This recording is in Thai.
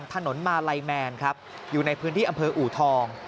ถนนมาลัยแมนครับอยู่ในพื้นที่อำเภออูทอง